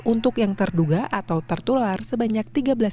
untuk yang terduga atau tertular sebanyak tiga belas empat ratus sembilan puluh dua